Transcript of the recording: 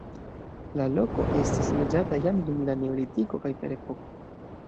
La loko estis loĝata jam dum la neolitiko kaj ferepoko.